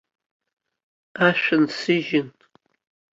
Ашәа нсыжьын.